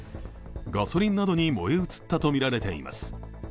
ガソリンなどに燃え移ったとみられています。